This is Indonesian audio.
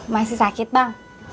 masih sakit bang